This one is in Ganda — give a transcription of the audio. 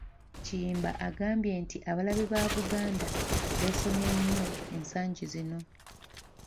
Kiyimba agambye nti abalabe ba Buganda beesomye nnyo ensangi zino.